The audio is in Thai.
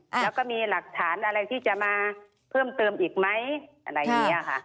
แล้วก็มีหลักฐานอะไรที่จะมาเพิ่มเติมอีกไหมอะไรอย่างนี้ค่ะ